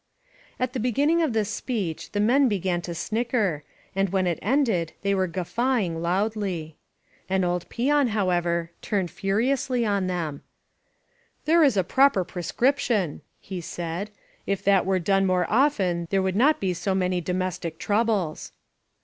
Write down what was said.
" At the beginning of this speech the men began to S19 INSURGENT MEXICO snicker, and when it ended they were guffawin^^ loudly. An old peon, however, turned furiously on them : "There is a proper prescription!" he said. If that were done more often there would not be so many do mestic troubles."